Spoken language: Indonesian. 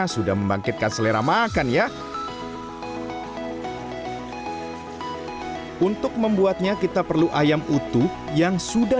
sudah membangkitkan selera makan ya untuk membuatnya kita perlu ayam utuh yang sudah